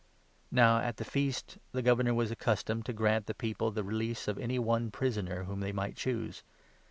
Now, at the Feast, the Governor was accustomed to grant the people the release of any one prisoner whom they might choose.